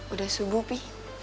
udah subuh pi